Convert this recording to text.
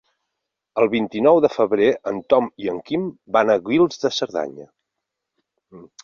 El vint-i-nou de febrer en Tom i en Quim van a Guils de Cerdanya.